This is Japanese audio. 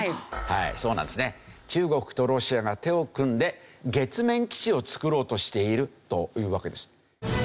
はいそうなんですね。中国とロシアが手を組んで月面基地を作ろうとしているというわけです。